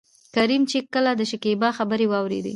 کريم چې کله دشکيبا خبرې واورېدې.